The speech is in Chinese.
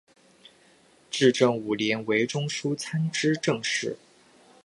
至正五年为中书参知政事。